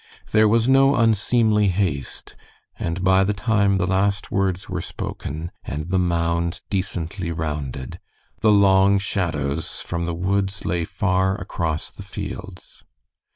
There was no unseemly haste, and by the time the last words were spoken, and the mound decently rounded, the long shadows from the woods lay far across the fields.